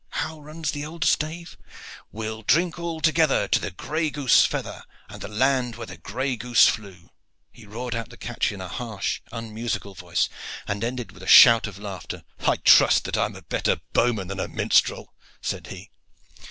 How runs the old stave? We'll drink all together To the gray goose feather And the land where the gray goose flew." He roared out the catch in a harsh, unmusical voice, and ended with a shout of laughter. "I trust that I am a better bowman than a minstrel," said he.